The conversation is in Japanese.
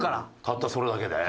たったそれだけで？